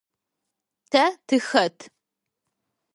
Тэ тыхэт?